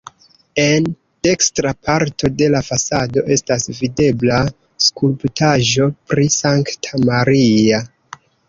En dekstra parto de la fasado estas videbla skulptaĵo pri Sankta Maria.